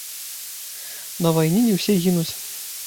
На вайне не ўсе гінуць.